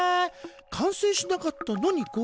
完成しなかったのに合格？